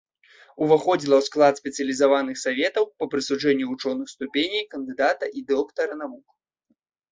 Уваходзіла ў склад спецыялізаваных саветаў па прысуджэнні вучоных ступеней кандыдата і доктара навук.